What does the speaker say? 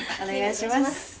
お願いします。